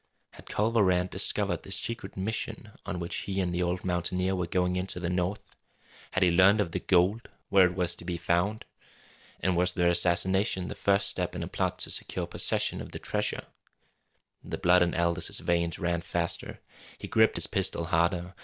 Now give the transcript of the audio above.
Had Culver Rann discovered the secret mission on which he and the old mountaineer were going into the North? Had he learned of the gold where it was to be found? And was their assassination the first step in a plot to secure possession of the treasure? The blood in Aldous' veins ran faster. He gripped his pistol harder.